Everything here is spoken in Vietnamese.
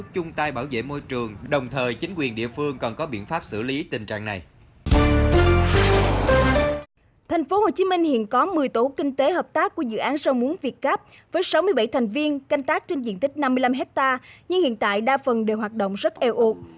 tp hcm hiện có một mươi tổ kinh tế hợp tác của dự án rau muống việt cáp với sáu mươi bảy thành viên canh tác trên diện tích năm mươi năm hectare nhưng hiện tại đa phần đều hoạt động rất eo ột